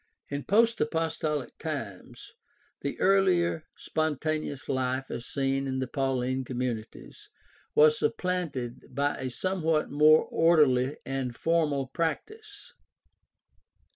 — In post apostolic times the earlier spontaneous life as seen in the Pauline communities was supplanted by a somewhat more orderly and formal practice.